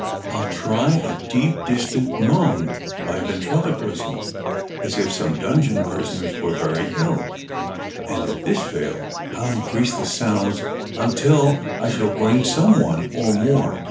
''I'll try a deep, distant moan by ventriloquism, as if some dungeon prisoners were very ill, and if this fail, I'll increase the sounds \mtil I shall bring some one or more."